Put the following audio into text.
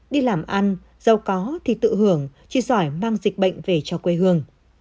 đi làm ăn giàu có thì tự hưởng chỉ giỏi mang dịch bệnh về cho quê hương